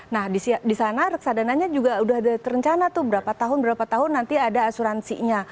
nah di sana reksadananya juga udah terencana tuh berapa tahun berapa tahun nanti ada asuransinya